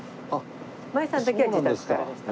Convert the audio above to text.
まりさんだけは自宅からでした。